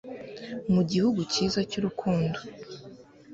Mu gihugu cyiza cy'urukundo